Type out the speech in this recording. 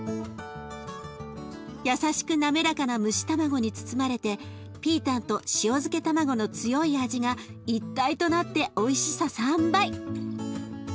優しく滑らかな蒸し卵に包まれてピータンと塩漬け卵の強い味が一体となっておいしさ３倍！